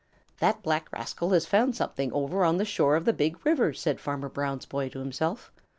"That black rascal has found something over on the shore of the Big River," said Farmer Brown's boy to himself.